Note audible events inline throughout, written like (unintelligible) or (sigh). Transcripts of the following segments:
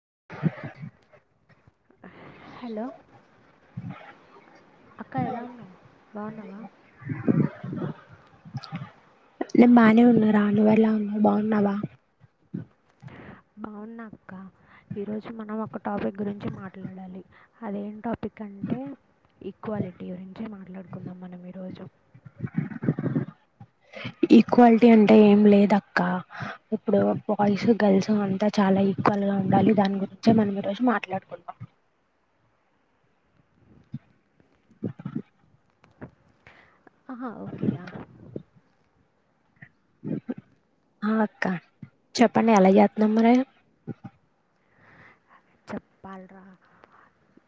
స్ హలో అక్క ఎలా ఉన్నావు బాగున్నావా నే బానే ఉన్నారా నువ్ ఎలా ఉన్నా బాగున్నావా బాగున్నాక్క ఈరోజు మనం ఒక టాపిక్ గురించి మాట్లాడాలి అదేం టాపిక్ అంటే, ఈక్వాలిటీ గురించి మాట్లాడుకుందాం మనం ఈరోజు ఈక్వాలిటీ అంటే ఏం లేదు అక్క ఇప్పుడు బాయ్స్ గర్ల్స్ అంతా చాలా ఈక్వల్గా ఉండాలి దాని గురించే మనం ఈరోజు మాట్లాడుకుంటా హా ఓకే రా ఆ అక్క చెప్పండి ఎలా చేదాం మరె చెప్పాలరా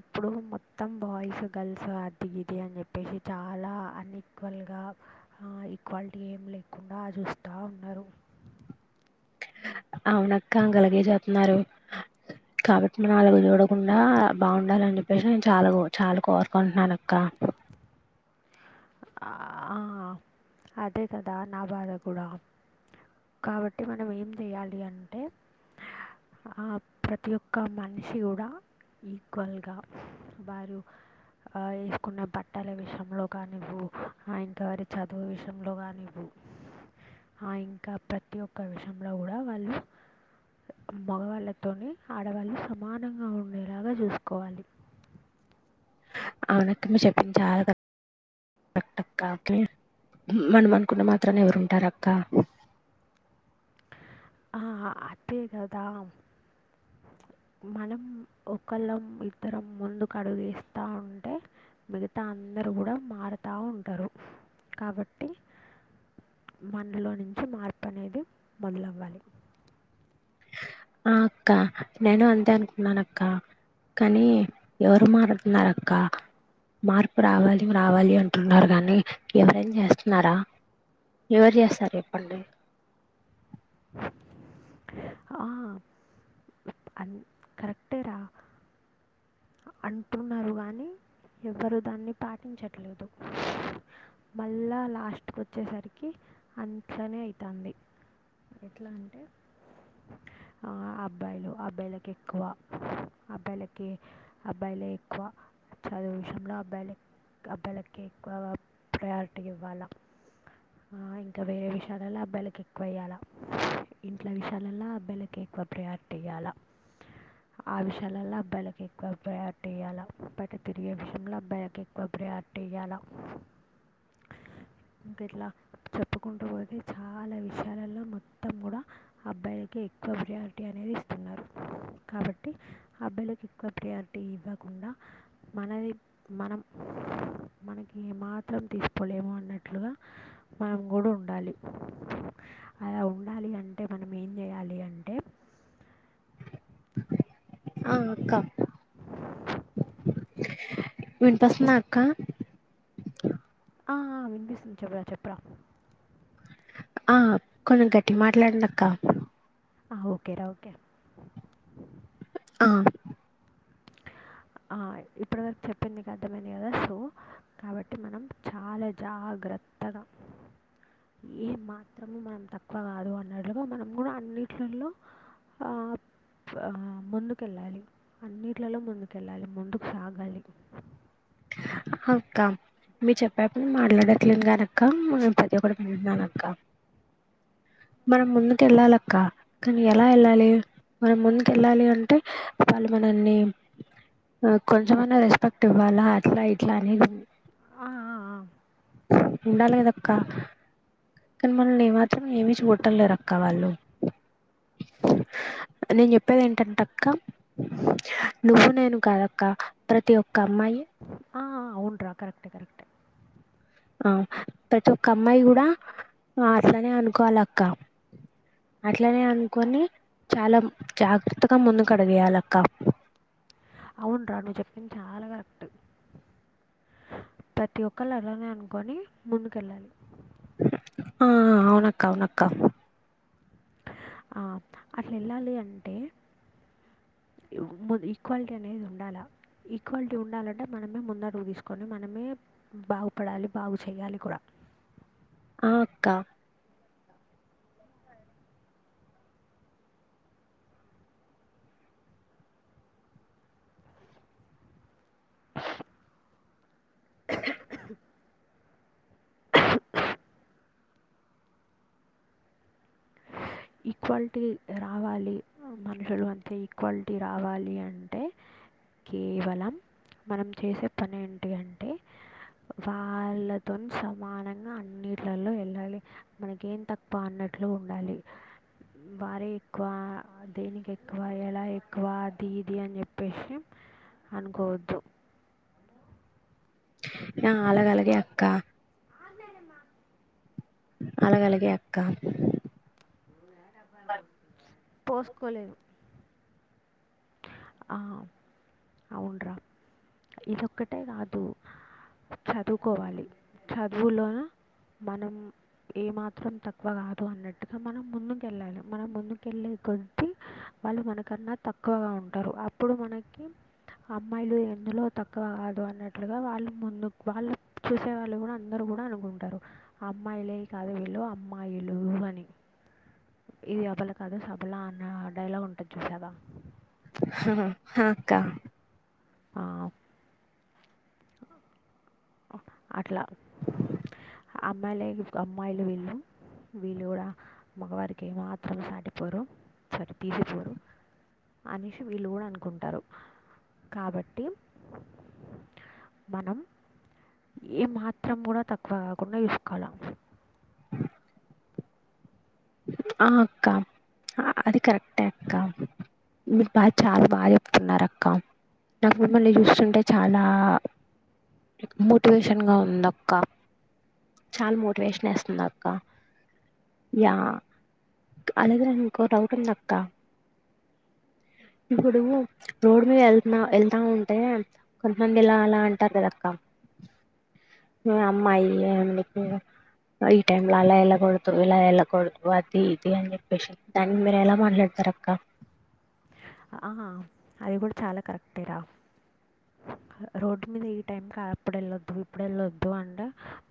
ఇప్పుడు మొత్తం బాయ్స్ గర్ల్స్ అది గిది అని చెప్పేసి చాలా అన్ఇక్వల్గా, అ ఈక్వాలిటీ ఏం లేకుండా చూస్తా ఉన్నారు అవునక్క కలాగే చెతున్నారు, కాబట్టి మనం అలుగు చూడకుండా బాగుండాలని చెప్పేసి నేను చాలా చాలా కోరుకుంటున్నాన అక్క అ అదే కదా నా బాధ కూడా, కాబట్టి మనం ఏం చేయాలి అంటే, అ ప్రతి ఒక్క మనిషి కూడా ఈక్వల్గా వారు వేసుకున్న బట్టల విషయంలో కానివు ఆ ఇంకా వారి చదువు విషయంలో కానివ్వు, ఆ ఇంకా ప్రతి ఒక్క విషయంలో కూడా వాళ్ళు మగవాళ్ళతో ఆడవాళ్ళు సమానంగా ఉండేలాగా చూసుకోవాలి. అవున అక మీ చెప్పిన చాలా (unintelligible) అక్క (unintelligible) మనం అనుకున్న మాత్రన ఎవరుంటార అక్క అ అదే కదా మనం ఒకళ్ళం ఇద్దరం ముందుకు అడుగేస్త ఉంటే, మిగతా అందరూ కూడా మారుతూ ఉంటారు, కాబట్టి మనలో నుంచి మార్పు అనేది మొదలవ్వాలి. ఆ అక్క నేను అంతే అనుకున్నాన అక్క, కానీ ఎవరు మారుతున్నారు అక్క మార్పు రావాలి రావాలి అంటున్నారు కానీ, ఎవరేం చేస్తున్నారా ఎవరు చేస్తారు చెప్పండి. ఆ అం కరెక్టెరా అంటున్నారు కానీ ఎవరు దాన్ని పాటించట్లేదు, మళ్ళా లాస్ట్ కి వచ్చేసరికి అట్నే అవుతుంది, ఎట్లా అంటే అ అబ్బాయిలు అబ్బాయిలకి ఎక్కువ అబ్బాయిలకి అబ్బాయిలే ఎక్కువ చదువు విషయంలో అబ్బాయిల, అబ్బాయిలకి ఎక్కువ ప్రయారిటీ ఇవ్వాలా, అ ఇంకా వేరే విషయాలలో అబ్బాయిలలకు ఎక్కువ ఇయ్యాల, ఇంట్ల విషయాలలో అబ్బాయిలకి ఎక్కువ ప్రయారిటీ ఇవ్వాల, ఆ విషయాలలో అబ్బాయిలకి ఎక్కువ ప్రయారిటీ ఇయ్యాలా బయట తిరిగే విషయంలో అబ్బాయిలకి ఎక్కువ ప్రియారిటీ ఇయ్యాలా, ఇంక ఇట్లా చెప్పుకుంటూ పోతే చాలా విషయాలలో మొత్తం కూడా అబ్బాయిలకి ఎక్కువ ప్రియారిటీ అనేది ఇస్తున్నారు, కాబట్టి అబ్బాయిలకు ఎక్కువ ప్రియారిటీ ఇవ్వకుండా మనది మనం మనకి మాత్రం తీసుకోలేము అన్నట్లుగా మనం కూడా ఉండాలి, అలా ఉండాలి అంటే మనం ఏం చేయాలి అంటే ఆ అక్క వినపస్తున్నాక్క ఆ వినిపిస్తుంది చెప్పడా చెప్పరా ఆ కొంచెం గట్టిగా మాట్లాడండి అక్క ఓకే ఓకే ఆ అ ఇప్పటి వరకు చెప్పిందికు అర్థమంది కదా సో కాబట్టి మనం చాలా జాగ్రత్తగా, ఏ మాత్రము మనం తక్కువ కాదు అన్నట్లుగా మనం కూడా అన్నింటిలో అ అ ముందుకెళ్ళాలి అన్ని ఇట్లలో ముందుకెళ్ళాలి ముందుకు సాగాలి అ అక్క మీ చెప్పేప్పుడు మాట్లాడట్లేదు గాని అక్క, నేను ప్రతి ఒక్కటి వింటున్నాన అక్క మనం ముందుకు వెళ్ళాలక్క, కానీ ఎలా వెళ్ళాలి మనం ముందుకు వెళ్ళాలి అంటే వాళ్ళు మనల్ని కొంచెమనా రెస్పెక్ట్ ఇవ్వాలా అట్లా ఇట్లా అనేది ఉండాలి కదక్క కానీ మనని నే మాత్రం ఏమిీ చూట్టలేరు అక్క వాళ్ళు నేను చెప్పేది ఏంటంటే అక్క నువ్వు నేను కాదక్క ప్రతి ఒక్క అమ్మాయి ఆ అవును రా కరెక్ట్ కరెక్ ఆ ప్రతి ఒక్క అమ్మాయి కూడా అట్లానే అనుకోవాల అక్క అట్లనే అనుకొని చాలా జాగ్రత్తగా ముందుకుడిగేయాలక్క అవును్రా నువ్వు చెప్పంది చాలా కరెక్ట్ ప్రతి ఒక్కళ్రు అలానే అనుకొని ముందుకెళ్ళాలి ఆ అవునక్క అవునక్క అట్లా వెళ్ళాలి అంటే ఈక్వాలిటీ అనేది ఉండాలి ఈక్వాలిటీ ఉండాలంటే మనమే ముందడుగు తీసుకొని మనమే బాగుపడాలి బాగు చేయాలి కూడా ఆ అక్క ఈక్వాలిటీ రావాలి మనుషులు అంతే ఈక్వాలిటీ రావాలి అంటే కేవలం మనం చేసే పని ఏంటి అంటే వాళ్ళతో సమానంగా అన్నిటిలో వెళ్ళాలి మనకేం తక్కువ అన్నట్లు ఉండాలి వారే ఎక్కువ దేనికి ఎక్కువ ఎలా ఎక్కువ అది ఇది అని చెప్పేసి అనుకోవద్దు ఆ అలాగ అలాగే అక్క అన్నాడమ్ అలాగ అలాగే అక్క అవు పోసుకోలేదు ఆ అవున్రా ఇదిక్కటే కాదు చదువుకోవాలి చదువులోన మనం ఏమాత్రం తక్కువ కాదు అన్నట్టుగా మనం ముందుకు వెళ్ళాలి మనం ముందుకెళ్ళే కొద్ద్ వాళ్ళు మనకన్నా తక్కువ తక్కువగా ఉంటారు అప్పుడు మనకి అమ్మాయిలు ఎందులో తక్కువ కాదు అన్నట్లుగా వాళ్ళు ముందు వాళ్ళు చూసే వాళ్ళు కూడా అందరుూ కూడా అనుకుంటారు అమ్మాయిలే కాదు వీళ్ళు అమ్మాయిలు అని ఇది అపల కాదు సభలా అన్న డైలాగ్ ఉంటుంది చూసాదా క్క ఆ అట్లా అమ్మాయిలే అమ్మాయిలు వీళ్ళు వీళ్ళు కూడా మగవారికి ఏమాత్రం సాటిపోరు సరి తీసిపోరు అనేసి వీళ్ళు కూడా అనుకుంటారు కాబట్టి మనం ఏ మాత్రం కూడా తక్కువ కాకుండా చూసుకోవాలం ఆ అక్క అది కరెక్టే అక్క మీరు బాగా చాలా బాగా చెప్తున్నారు అక్క నాకు మిమ్మల్ని చూస్తుంటే చాలా మోటివేషన్గా ఉంద అక్క చాలా మోటివేషన్ వేస్తుంది అక్క యా అలాగ ఇంకో డౌట్ ఉందక్క ఇప్పుడు రోడ్ మీద వెత వెళ్తా ఉంటే కొంతమంది ఇలా అలా అంటారు కదక్క అమ్మాయికు ఈ టై లో అలా వెళ్ళకూడదు ఇలా వెళ్ళకూడదు అది ఇది అని చెప్పేసి దానికి మీరు ఎలా మాట్లాడతార అక్క ఆ అది కూడా చాలా కరెక్టేరా రోడ్డు మీద ఈ టైంకి అప్పుడు వెళ్ళొద్దు ఇప్పుడు వెళ్ళొద్దు అంటే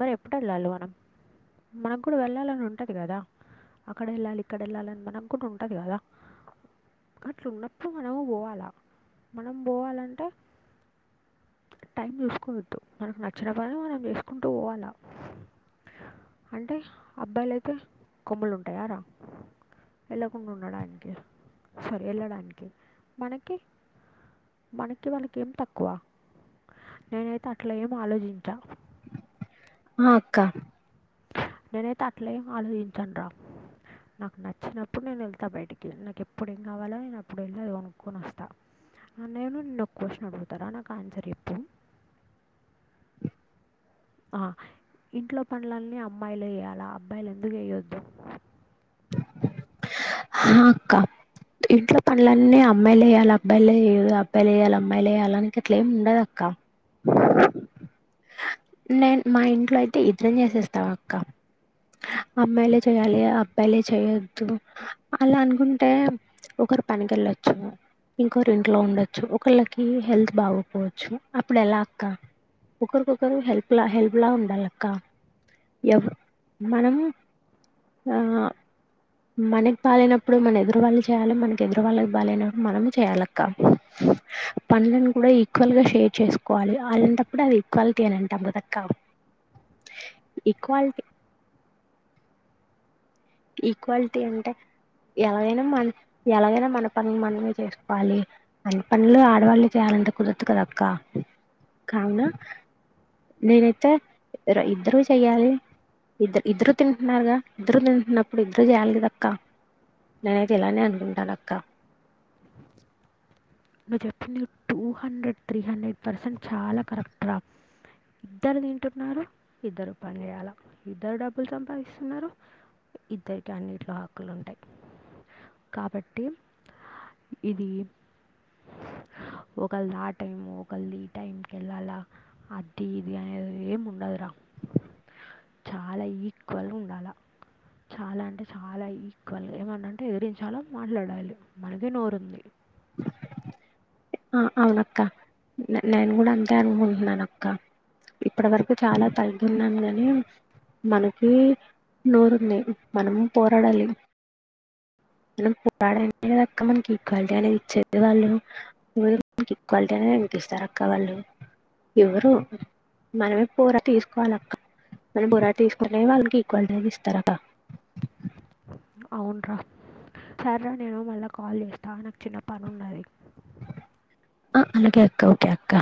మరి ఎప్పుడు వెళ్ళాలి మనం మనకు కూడా వెళ్ళాలని ఉంటుంది కదా అక్కడ వెళ్ళాలి ఇక్కడ వెళ్ళాలిని మనకు కూడా ఉంటుంది కదా అట్లా ఉన్నప్పు అప్పుడు మనము పోవాలా మనం పోవాలంటే టైం చూసుకోవద్దు మనకు నచ్చిన పని మనం చేసుకుంటూ పోవాలా అంటే అబ్బాయిలు అయితే కొమ్మలు ఉంటాయా రా వెళ్ళకుండా ఉండడానికి సరే వెళ్ళడానికి మనకి మనకి మనకి ఏం తక్కువ నేనైతే అట్లా ఏం ఆలోచించా ఆ అక్క నేనైతే అట్లేం ఆలోచించాను రా నాకు నచ్చినప్పుడు నేను వెళ్తా బయటికి వెళ్ళి నాకు ఎప్పుడు ఏం కావాలో నేను అప్పుడు వెళ్ళా అది కొనుక్కొని వస్తాను అన్నయేను నిన్న ఒక క్వశ్చన్ అడుగుతారా నాకు ఆన్సర్ ఎప్పుడు ఆ ఇంట్లో పనుడ్లని అమ్మాయిలు వేయాలి అబ్బాయిలు ఎందుకు వేయొద్దు అక్క ఇంట్లో పనులన్నీ అమ్మాయిలు వయాలి అబ్బాయిలే చేయదు అబ్బాయిలు వయాలి అమ్మాయిలు వేయాలనికి అట్లా ఏమి ఉండదుక్క నేను మా ఇంట్లో అయితే ఇద్దరం చేసేస్తావా అక్క అమ్మాయిలే చేయాలి అబ్బాయిలే చేయొద్దు అలా అనుకుంటే ఒకరు పనికి వెళ్ళచ్చు ఇంకొకరు ఇంట్లో ఉండొచ్చు ఒకళ్ళకి హెల్త్ బాగ పోవచ్చు అప్పుడు ఎలా అక్క ఒకరికొకరు హెల్ప్లా హెల్ప్ ఉండాల అక్క ఎవ మనం మన బాలేనప్పుడు మన ఎదురు వాళ్ళు చేయాలి మనకి ఎదురు వాళ్ళకి బాగానప్పుడు మనము చేయాలిక్క పనుడ్లను కూడా ఈక్వల్గా షేర్ చేసుకోవాలి అళ్ళంటప్పుడు అది ఈక్వాలిటీ అని అంటా ఒక తక్కా ఈక్వాలిటీ ఈక్వాలిటీ అంటే ఎలాగైనా మన ఎలాగైనా మన పనులు మనమే చేసుకోవాలి మన పనులు ఆడవాళ్ళు చేయాలంటే కుదరదు కదక్క కావున నేనైతే ఇద్దరు చెయ్యాలి ఇద్దరు ఇద్దరు తింటున్నారుగా ఇద్దరు తింటున్న ఇప్పుడు ఇద్దరు చేయాలి అక్క నేనైతేలాని అనుకుంటాను అక్క నువ్వు చెప్పింది two hundred three hundred percent చాలా కరెక్ట రా ఇద్దరు తింటున్నారు ఇద్దరు పని చేయాలా ఇద్దరు డబ్బులు సంపాదిస్తున్నారు ఇద్దరికి అన్నింటిలో హక్కులు ఉంటాయి కాబట్టి ఇది ఒకళది ఆ టైం ఒకళది ఈ టైంకి వెళ్ళాలా అది ఇది ఒకళధటిము ఒకలిదిటైం కెళ్ళాల అది ఇది అనేది ఏం ఉండదురా చాలా ఈక్వల్గా ఉండాలా చాలా అంటే చాలా ఈక్వల్గా ఏమంటంటే ఎదిరించాలో మాట్లాడాలి మనగే నోరు ఉంది ఆ అవునక్క నేను కూడా అంతే అనుకుంటున్నాన అక్క ఇప్పటి వరకు చాలా తగ్గున్నాను కాని మనకి నోరుంది మనం పోరాడాలి మనం పోరాట అనేది అక్క మనకి ఈక్వాలిటీ అనేది ఇచ్చేది వాళ్ళు ఎవరు మనకి ఈక్వాలిటీ అనేది అంపిస్తారు అక్క వాళ్ళు ఎవరు మనమే పోరాట తీసుకోవాలి అక్క మన పోరాట తీసుకునే వాళ్ళకి ఈక్వాలిటీ అనేది ఇస్తారు అక్క అవున్రా సరేరా నేను మళ్ళా కాల్ చేస్తా నాకు చిన్న పని ఉన్నది ఆ అలాగే అక్కా ఓకే అక్కా